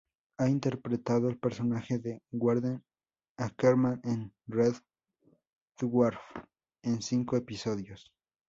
Ha interpretado el personaje de Warden Ackerman en "Red Dwarf" en cinco episodios.